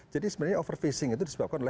jadi sebenarnya overfishing itu disebabkan oleh